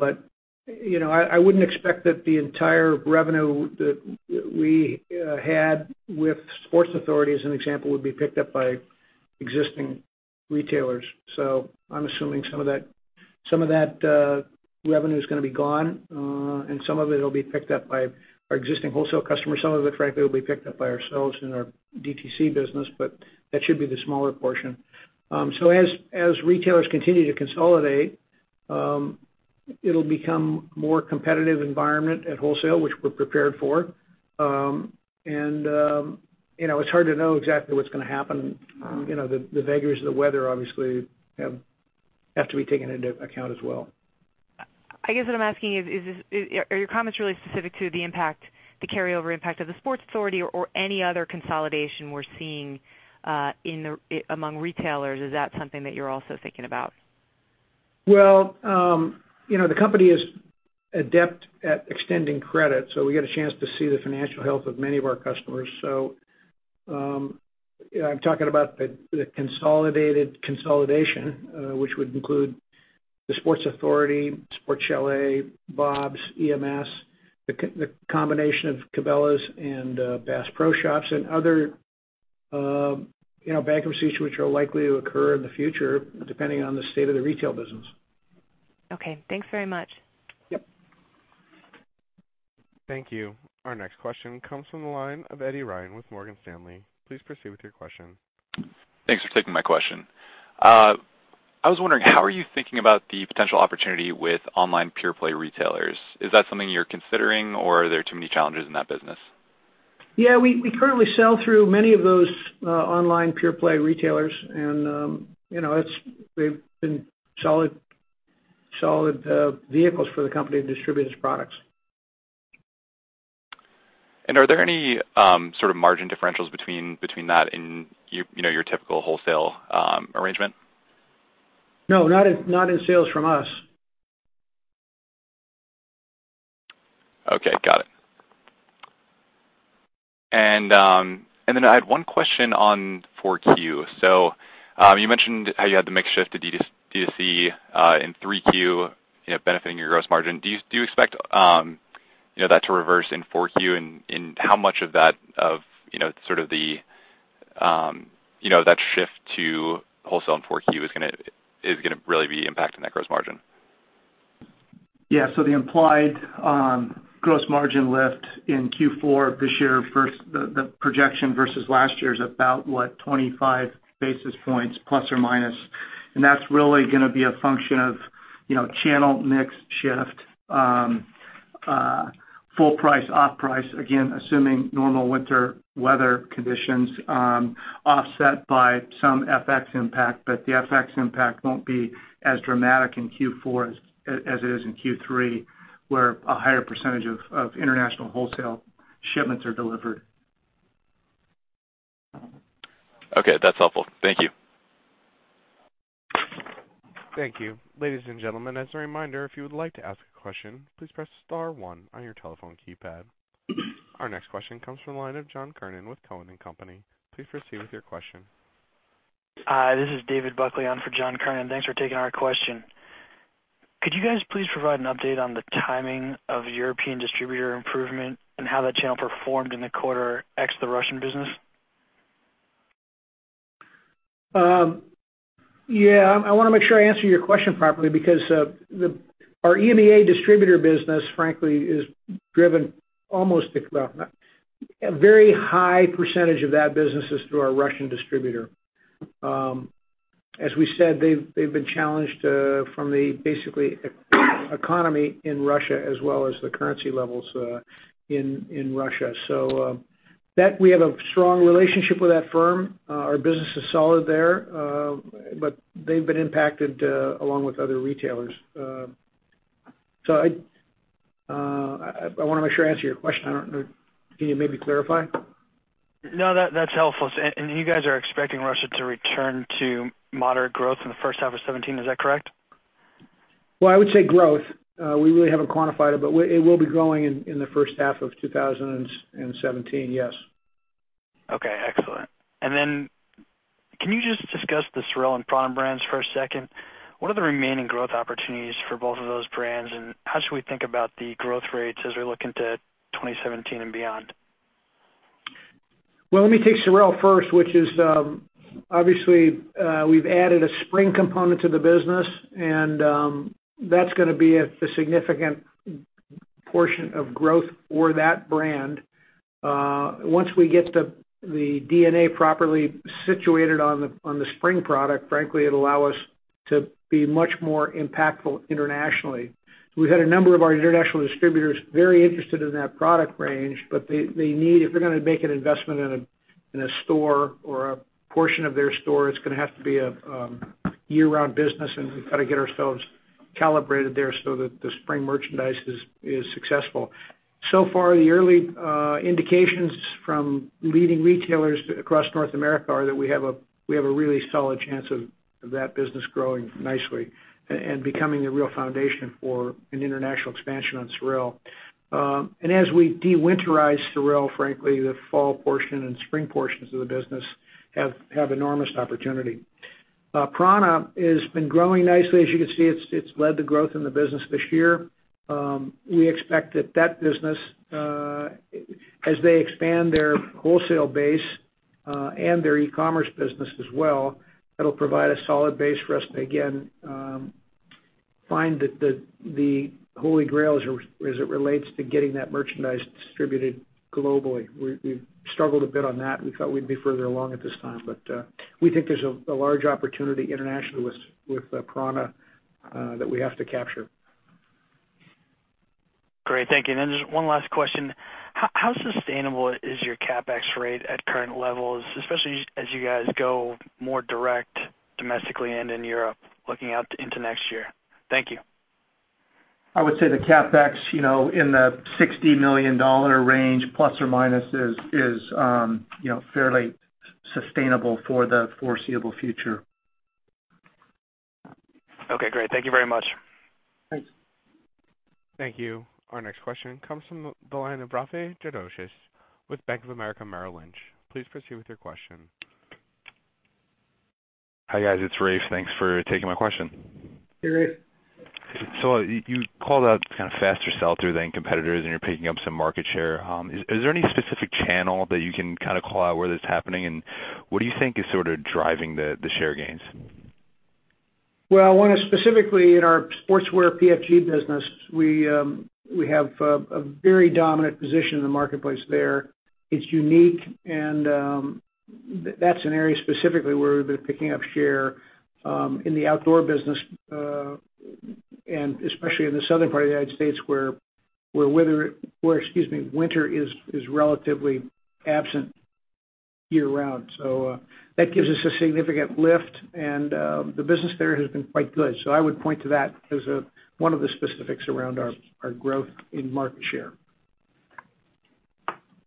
I wouldn't expect that the entire revenue that we had with Sports Authority, as an example, would be picked up by existing retailers. I'm assuming some of that revenue is going to be gone, and some of it'll be picked up by our existing wholesale customers. Some of it, frankly, will be picked up by ourselves in our DTC business, but that should be the smaller portion. As retailers continue to consolidate, it'll become a more competitive environment at wholesale, which we're prepared for. It's hard to know exactly what's going to happen. The vagaries of the weather obviously have to be taken into account as well. I guess what I'm asking is, are your comments really specific to the carryover impact of the Sports Authority or any other consolidation we're seeing among retailers? Is that something that you're also thinking about? Well, the company is adept at extending credit, we get a chance to see the financial health of many of our customers. I'm talking about the consolidation, which would include the Sports Authority, Sports Chalet, Bob's, EMS, the combination of Cabela's and Bass Pro Shops and other bankruptcies which are likely to occur in the future, depending on the state of the retail business. Okay. Thanks very much. Yep. Thank you. Our next question comes from the line of Eddie Ryan with Morgan Stanley. Please proceed with your question. Thanks for taking my question. I was wondering, how are you thinking about the potential opportunity with online pure-play retailers? Is that something you're considering, or are there too many challenges in that business? Yeah. We currently sell through many of those online pure-play retailers, they've been solid vehicles for the company to distribute its products. Are there any sort of margin differentials between that and your typical wholesale arrangement? No, not in sales from us. Okay. Got it. I had one question on 4Q. You mentioned how you had the mix shift to D2C in 3Q, benefiting your gross margin. Do you expect that to reverse in 4Q? How much of that shift to wholesale in 4Q is going to really be impacting that gross margin? Yeah. The implied gross margin lift in Q4 of this year versus the projection versus last year is about, what, 25 basis points plus or minus. That's really going to be a function of channel mix shift. Full price, off price, again, assuming normal winter weather conditions, offset by some FX impact. The FX impact won't be as dramatic in Q4 as it is in Q3, where a higher percentage of international wholesale shipments are delivered. Okay. That's helpful. Thank you. Thank you. Ladies and gentlemen, as a reminder, if you would like to ask a question, please press *1 on your telephone keypad. Our next question comes from the line of John Kernan with Cowen and Company. Please proceed with your question. Hi, this is David Buckley on for John Kernan. Thanks for taking our question. Could you guys please provide an update on the timing of European distributor improvement and how that channel performed in the quarter ex the Russian business? Yeah. I want to make sure I answer your question properly because our EMEA distributor business, frankly, a very high percentage of that business is through our Russian distributor. As we said, they've been challenged from the, basically, economy in Russia as well as the currency levels in Russia. We have a strong relationship with that firm. Our business is solid there. They've been impacted along with other retailers. I want to make sure I answer your question. Can you maybe clarify? No, that's helpful. You guys are expecting Russia to return to moderate growth in the first half of 2017. Is that correct? Well, I would say growth. We really haven't quantified it, but it will be growing in the first half of 2017, yes. Okay. Excellent. Can you just discuss the SOREL and prAna brands for a second? What are the remaining growth opportunities for both of those brands, and how should we think about the growth rates as we look into 2017 and beyond? Well, let me take SOREL first, which is, obviously, we've added a spring component to the business, and that's going to be a significant portion of growth for that brand. Once we get the DNA properly situated on the spring product, frankly, it'll allow us to be much more impactful internationally. We've had a number of our international distributors very interested in that product range, but if they're going to make an investment in a store or a portion of their store, it's going to have to be a year-round business, and we've got to get ourselves calibrated there so that the spring merchandise is successful. So far, the early indications from leading retailers across North America are that we have a really solid chance of that business growing nicely and becoming a real foundation for an international expansion on SOREL. As we de-winterize SOREL, frankly, the fall portion and spring portions of the business have enormous opportunity. prAna has been growing nicely. As you can see, it's led the growth in the business this year. We expect that business, as they expand their wholesale base and their e-commerce business as well, that'll provide a solid base for us to, again, find the holy grail as it relates to getting that merchandise distributed globally. We've struggled a bit on that. We thought we'd be further along at this time. We think there's a large opportunity internationally with prAna that we have to capture. Great. Thank you. Then just one last question. How sustainable is your CapEx rate at current levels, especially as you guys go more direct domestically and in Europe looking out into next year? Thank you. I would say the CapEx in the $60 million range, plus or minus, is fairly sustainable for the foreseeable future. Okay, great. Thank you very much. Thanks. Thank you. Our next question comes from the line of Rafe Jadrosich with Bank of America Merrill Lynch. Please proceed with your question. Hi, guys. It's Rafe. Thanks for taking my question. Hey, Rafe. You called out kind of faster sell-through than competitors and you're picking up some market share. Is there any specific channel that you can kind of call out where that's happening, and what do you think is sort of driving the share gains? I want to specifically, in our sportswear PFG business, we have a very dominant position in the marketplace there. It's unique, and that's an area specifically where we've been picking up share in the outdoor business, especially in the southern part of the U.S., where winter is relatively absent year-round. That gives us a significant lift, and the business there has been quite good. I would point to that as one of the specifics around our growth in market share.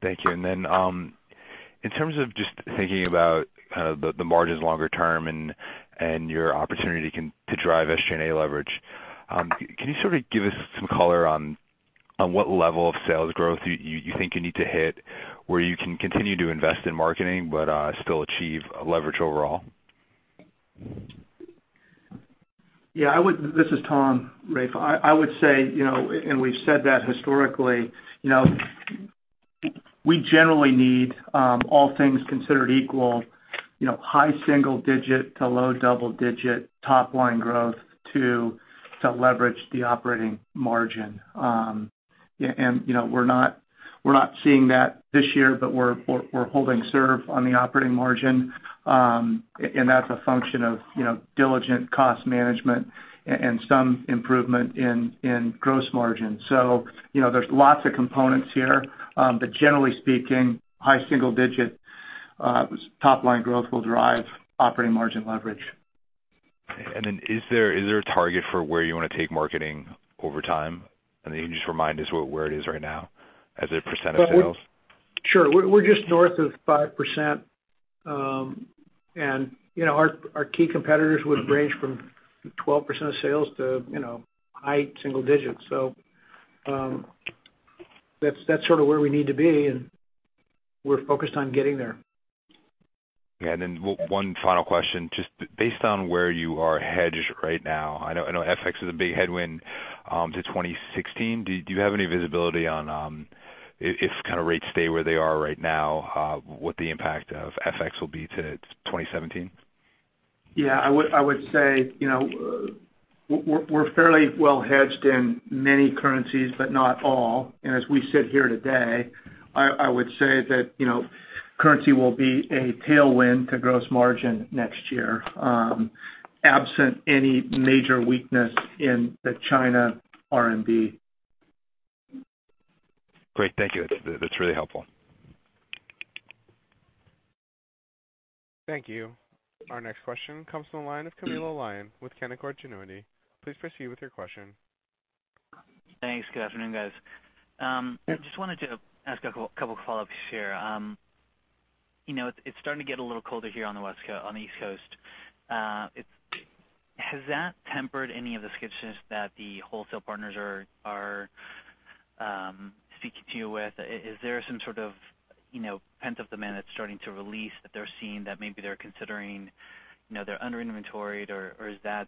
Thank you. In terms of just thinking about the margins longer term and your opportunity to drive SG&A leverage, can you give us some color on what level of sales growth you think you need to hit where you can continue to invest in marketing but still achieve leverage overall? This is Tom, Rafe. I would say, we've said that historically, we generally need, all things considered equal, high single digit to low double digit top line growth to leverage the operating margin. We're not seeing that this year, but we're holding serve on the operating margin. That's a function of diligent cost management and some improvement in gross margin. There's lots of components here. Generally speaking, high single digit top line growth will drive operating margin leverage. Is there a target for where you want to take marketing over time? Can you just remind us where it is right now as a % of sales? Sure. We're just north of 5%. Our key competitors would range from 12% of sales to high single digits. That's sort of where we need to be, and we're focused on getting there. Yeah. One final question, just based on where you are hedged right now, I know FX is a big headwind to 2016. Do you have any visibility on, if rates stay where they are right now, what the impact of FX will be to 2017? Yeah. I would say, we're fairly well hedged in many currencies, but not all. As we sit here today, I would say that currency will be a tailwind to gross margin next year, absent any major weakness in the China RMB. Great. Thank you. That's really helpful. Thank you. Our next question comes from the line of Camilo Lyon with Canaccord Genuity. Please proceed with your question. Thanks. Good afternoon, guys. I just wanted to ask a couple follow-ups here. It's starting to get a little colder here on the East Coast. Has that tempered any of the skittishness that the wholesale partners are speaking to you with? Is there some sort of pent up demand that's starting to release that they're seeing that maybe they're considering they're under-inventoried, or is the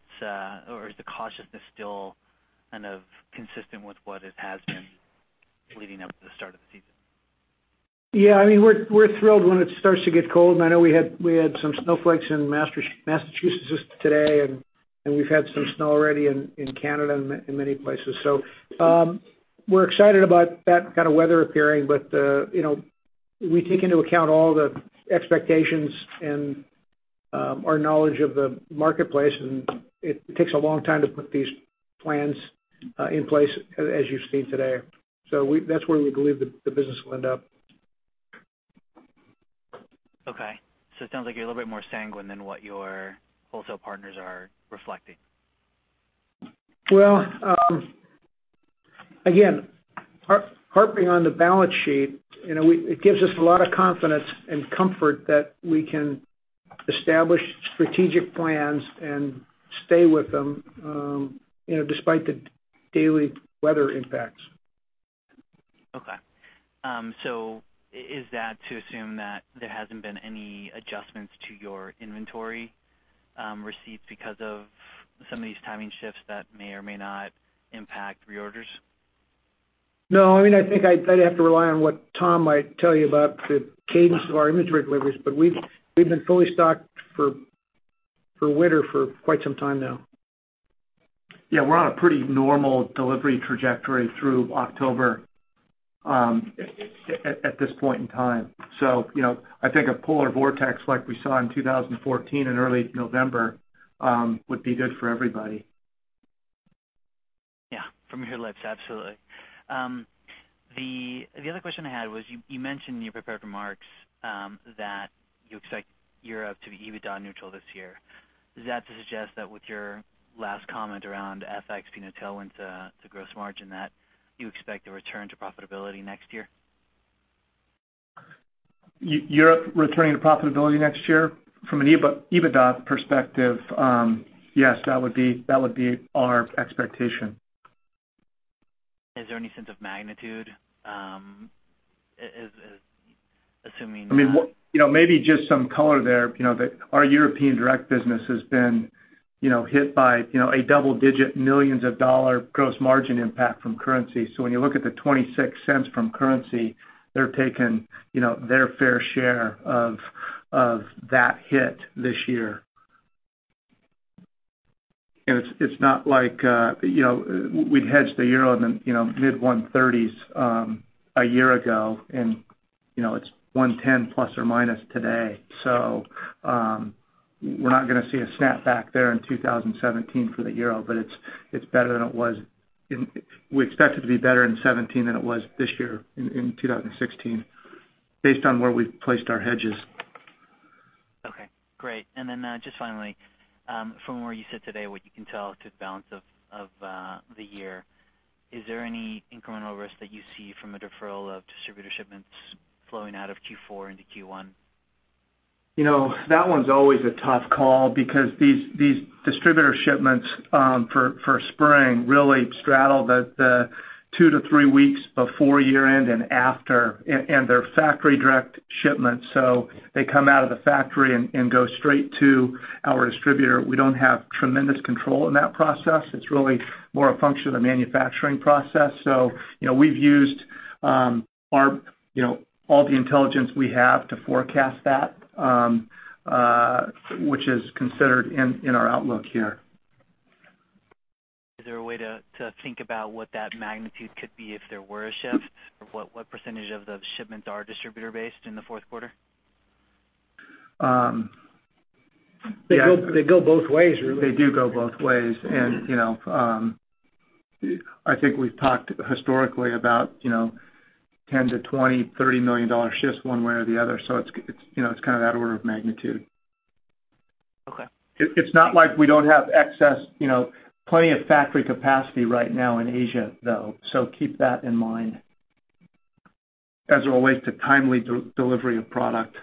cautiousness still kind of consistent with what it has been leading up to the start of the season? Yeah. We're thrilled when it starts to get cold, I know we had some snowflakes in Massachusetts today, we've had some snow already in Canada and many places. We're excited about that kind of weather appearing, we take into account all the expectations and our knowledge of the marketplace, it takes a long time to put these plans in place, as you've seen today. That's where we believe the business will end up. Okay. It sounds like you're a little bit more sanguine than what your wholesale partners are reflecting. Again, harping on the balance sheet, it gives us a lot of confidence and comfort that we can establish strategic plans and stay with them despite the daily weather impacts. Okay. Is that to assume that there hasn't been any adjustments to your inventory receipts because of some of these timing shifts that may or may not impact reorders? No. I'd have to rely on what Tom might tell you about the cadence of our inventory deliveries, but we've been fully stocked for winter for quite some time now. Yeah. We're on a pretty normal delivery trajectory through October at this point in time. I think a polar vortex like we saw in 2014 and early November would be good for everybody. From your lips, absolutely. The other question I had was, you mentioned in your prepared remarks, that you expect Europe to be EBITDA neutral this year. Is that to suggest that with your last comment around FX being a tailwind to gross margin, that you expect a return to profitability next year? Europe returning to profitability next year? From an EBITDA perspective, yes, that would be our expectation. Is there any sense of magnitude? Maybe just some color there, that our European direct business has been hit by a double-digit millions of dollars gross margin impact from currency. When you look at the $0.26 from currency, they're taking their fair share of that hit this year. It's not like we'd hedged the euro in the mid 130s a year ago, and it's 110 ± today. We're not going to see a snap back there in 2017 for the euro, but it's better than it was. We expect it to be better in 2017 than it was this year in 2016, based on where we've placed our hedges. Okay, great. Just finally, from where you sit today, what you can tell to the balance of the year, is there any incremental risk that you see from a deferral of distributor shipments flowing out of Q4 into Q1? That one's always a tough call because these distributor shipments for spring really straddle the 2-3 weeks before year-end and after. They're factory direct shipments, they come out of the factory and go straight to our distributor. We don't have tremendous control in that process. It's really more a function of the manufacturing process. We've used all the intelligence we have to forecast that, which is considered in our outlook here. Is there a way to think about what that magnitude could be if there were a shift? What % of the shipments are distributor based in the fourth quarter? They go both ways, really. They do go both ways, and I think we've talked historically about $10 million to $20 million, $30 million shifts one way or the other. It's kind of that order of magnitude. Okay. It's not like we don't have plenty of factory capacity right now in Asia, though. Keep that in mind as it relates to timely delivery of product.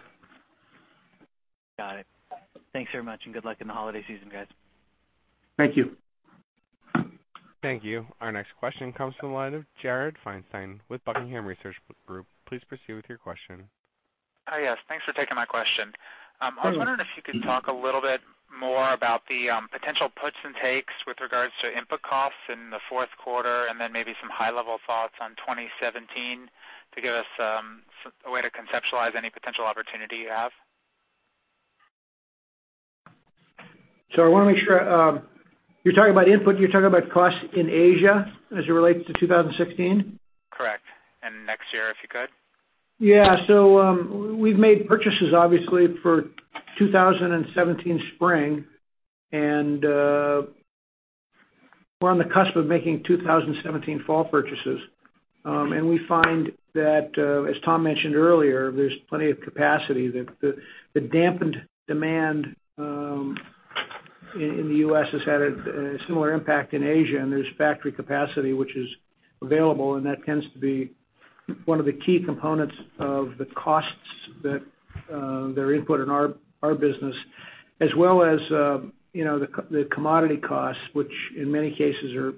Got it. Thanks very much, and good luck in the holiday season, guys. Thank you. Thank you. Our next question comes from the line of Jared Feinstein with Buckingham Research Group. Please proceed with your question. Yes, thanks for taking my question. I was wondering if you could talk a little bit more about the potential puts and takes with regards to input costs in the fourth quarter, and then maybe some high-level thoughts on 2017 to give us a way to conceptualize any potential opportunity you have. I want to make sure. You're talking about input, you're talking about costs in Asia as it relates to 2016? Correct. Next year, if you could. Yeah. We've made purchases obviously for 2017 spring, and we're on the cusp of making 2017 fall purchases. We find that, as Tom mentioned earlier, there's plenty of capacity. The dampened demand in the U.S. has had a similar impact in Asia, and there's factory capacity which is available, and that tends to be one of the key components of the costs that are input in our business, as well as the commodity costs, which in many cases are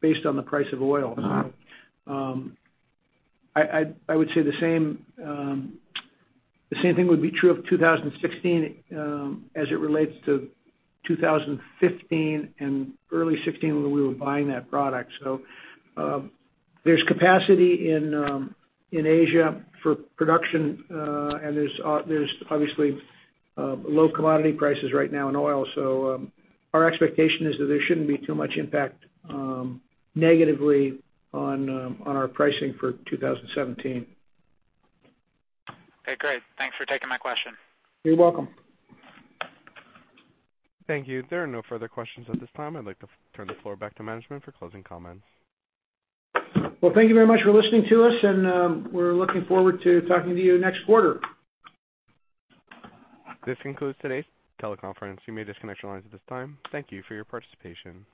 based on the price of oil. I would say the same thing would be true of 2016 as it relates to 2015 and early 2016, when we were buying that product. There's capacity in Asia for production, and there's obviously low commodity prices right now in oil. Our expectation is that there shouldn't be too much impact negatively on our pricing for 2017. Okay, great. Thanks for taking my question. You're welcome. Thank you. There are no further questions at this time. I'd like to turn the floor back to management for closing comments. Well, thank you very much for listening to us, and we're looking forward to talking to you next quarter. This concludes today's teleconference. You may disconnect your lines at this time. Thank you for your participation.